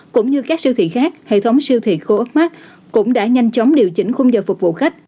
cũng như các siêu thị khác hệ thống siêu thị co octmark cũng đã nhanh chóng điều chỉnh khung giờ phục vụ khách